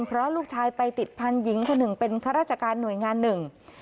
เพราะลูกชายไปติดพันธุ์หญิงคนหนึ่งเป็นข้าราชการหน่วยงานหนึ่ง